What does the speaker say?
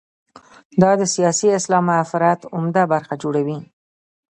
دا د سیاسي اسلام معرفت عمده برخه جوړوي.